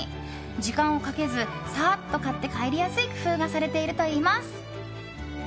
時間をかけずさっと買って帰りやすい工夫がされているといいます。